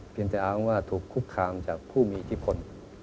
เพียงแต่อ้างว่าถูกคุกคามจากผู้มีที่ผล